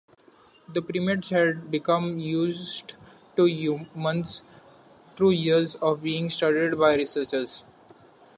The primates had become used to humans through years of being studied by researchers.